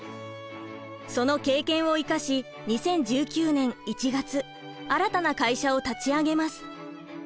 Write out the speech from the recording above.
その経験を生かし２０１９年１月新たな会社を立ち上げます。